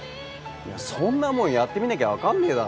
そんなもんやってみなきゃ分かんねえだろ。